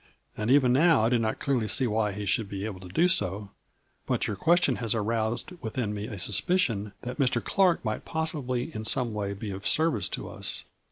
" And even now I do not clearly see why he should be able to do so. But your question has aroused within me a suspicion that Mr. Clark might possibly in some way be of service to us.